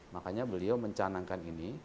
makanya beliau mencanangkan ini